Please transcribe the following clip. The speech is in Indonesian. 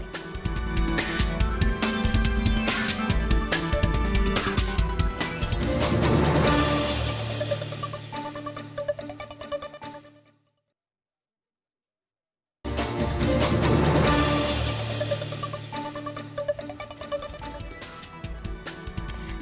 terima kasih pak pak